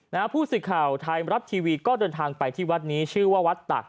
นะฮะผู้สื่อข่าวไทยรัฐทีวีก็เดินทางไปที่วัดนี้ชื่อว่าวัดตัก